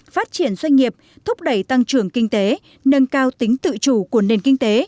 phát triển doanh nghiệp thúc đẩy tăng trưởng kinh tế nâng cao tính tự chủ của nền kinh tế